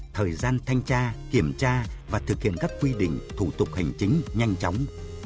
thời gian thanh tra kiểm tra và thực hiện các quy định thủ tục hành chính nhanh chóng